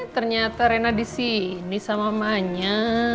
ternyata rena disini sama mamanya